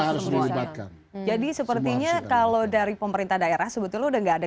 pemerintah jadi sepertinya kalau dari pemerintah daerah sebetulnya udah nggak ada